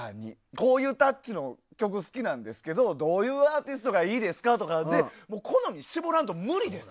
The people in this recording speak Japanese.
こういうタッチの曲好きなんですけどどういうアーティストがいいですかで好み絞らんと無理です。